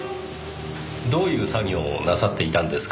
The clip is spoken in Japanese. どういう作業をなさっていたんですか？